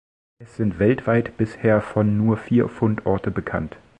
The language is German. Es sind weltweit bisher von nur vier Fundorte bekannt.